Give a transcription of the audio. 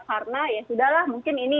karena ya sudah lah mungkin ini